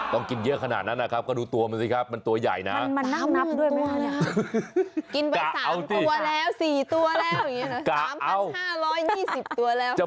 ต้องกินเยอะขนาดนั้นนะครับก็ดูตัวมันสิครับมันตัวใหญ่นะ